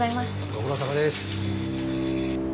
ご苦労さまです。